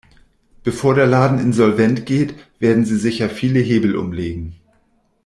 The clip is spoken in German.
Bevor der Laden insolvent geht, werden sie sicher viele Hebel umlegen.